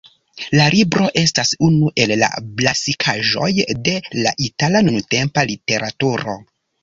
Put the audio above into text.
La libro estas unu el la klasikaĵoj de la itala nuntempa literaturo.